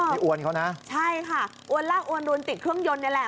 นี่อวนเขานะใช่ค่ะอวนลากอวนดวนติดเครื่องยนต์นี่แหละ